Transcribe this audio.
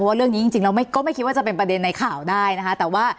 ว่าเรื่องนี้จริงเราก็ไม่คิดว่าจะเป็นประเด็นในข่าวได้นะคะแต่ว่า